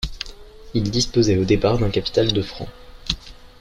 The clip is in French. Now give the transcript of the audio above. Il disposait au départ d'un capital de francs.